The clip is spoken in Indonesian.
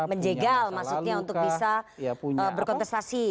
menjegal maksudnya untuk bisa berkontestasi